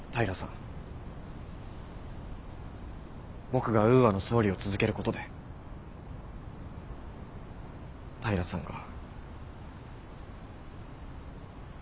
僕がウーアの総理を続けることで平さんが。